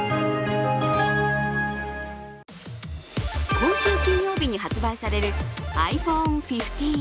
今週金曜日に発売されるｉＰｈｏｎｅ１５。